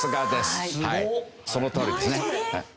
はいそのとおりですね。